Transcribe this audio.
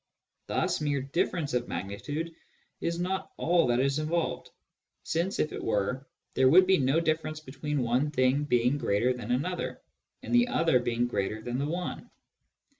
Thus mere difference of ' magnitude is not all that is involved, since, if it were, there would be no difference between one thing being greater than another, and the other being greater than the one.